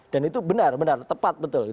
dan itu benar benar tepat betul